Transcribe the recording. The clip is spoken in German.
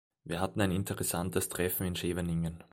Wir hatten ein interessantes Treffen in Scheveningen.